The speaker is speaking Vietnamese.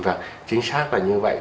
vâng chính xác là như vậy